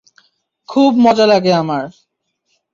খুব মজা লাগে আমার।